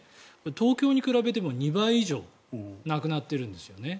東京に比べても２倍以上亡くなっているんですよね。